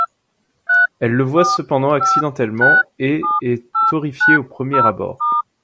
Elle le voit cependant accidentellement, et est horrifiée au premier abord.